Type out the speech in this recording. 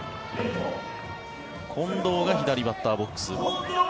近藤が左バッターボックス。